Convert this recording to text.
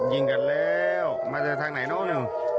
ยิงกันแล้วมาจากทางไหนโน้นนี่